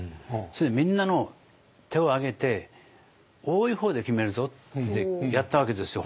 それでみんなの手を挙げて多い方で決めるぞってやったわけですよ